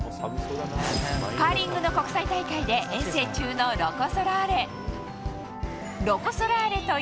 カーリングの国際大会で遠征中のロコ・ソラーレ。